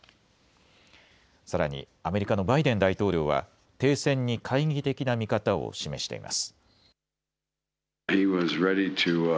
さらに、アメリカのバイデン大統領は、停戦に懐疑的な見方を示しています。